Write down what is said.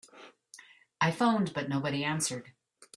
I phoned but nobody answered.